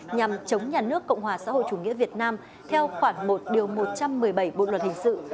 nhằm chống nhà nước cộng hòa xã hội chủ nghĩa việt nam theo khoản một một trăm một mươi bảy bộ luật hình sự